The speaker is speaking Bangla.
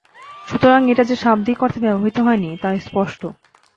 সুতরাং এটা যে শাব্দিক অর্থে ব্যবহৃত হয়নি, তা স্পষ্ট।